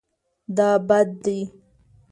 دا بد دی